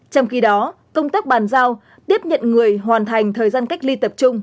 trong khi đó công tác bàn giao tiếp nhận người hoàn thành thời gian cách ly tập trung